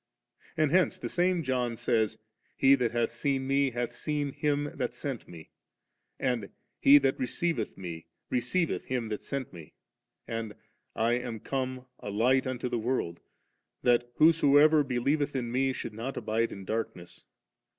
And hence the same John says, 'He that hath seen Me, hath seen Him that sent M^' and, 'He that receiveth M^ receiveth Him that sent Me;' and, 'I am come a light into the world, that whosoever be lieveth in Me, should not abide in dark ness.